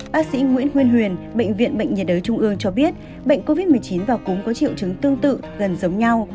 bác sĩ nguyễn huyền bệnh viện bệnh nhiệt đới trung ương cho biết bệnh covid một mươi chín và cúng có triệu chứng tương tự gần giống nhau